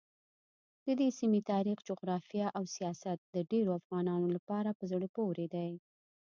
ددې سیمې تاریخ، جغرافیه او سیاست ډېرو افغانانو لپاره په زړه پورې دي.